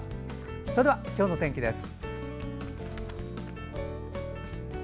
それでは、今日の天気です。